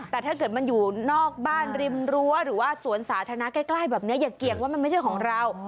แต่ถ้าเกิดมันอยู่นอกบ้านริมรั้วหรือว่าสวนสาธารณะใกล้แบบนี้อย่าเกี่ยงว่ามันไม่ใช่ของเรา